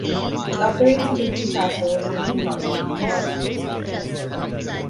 It operates on the Newcastle, Main North and North Coast lines.